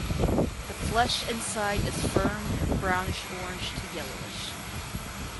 The flesh inside is firm and brownish orange to yellowish.